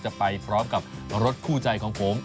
จะไปพร้อมกับรถคู่ใจของผม